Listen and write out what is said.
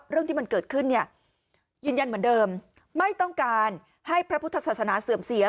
เรื่องที่มันเกิดขึ้นเนี่ยยืนยันเหมือนเดิมไม่ต้องการให้พระพุทธศาสนาเสื่อมเสีย